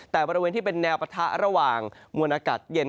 แต่บริเวณที่เป็นแนวปะทะระหว่างมวลอากาศเย็น